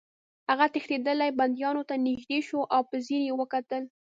هغه تښتېدلي بندیانو ته نږدې شو او په ځیر یې وکتل